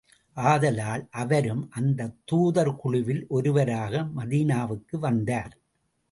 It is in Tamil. ஆதலால், அவரும் அந்தத் தூதர் குழுவில் ஒருவராக மதீனாவுக்கு வந்தார்.